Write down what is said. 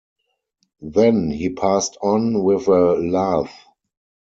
Then he passed on with a laugh.